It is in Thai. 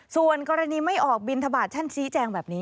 ส่วนกรณีไม่ออกบินทบาทท่านชี้แจงแบบนี้